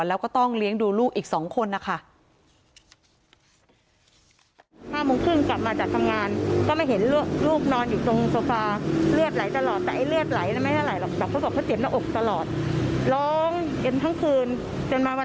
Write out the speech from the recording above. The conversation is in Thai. แล้วก็ต้องเลี้ยงดูลูกอีก๒คนนะคะ